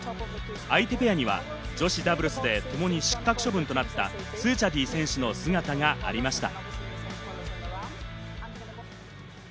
相手ペアには女子ダブルスでともに失格処分となったスーチャディ選手の姿がありました。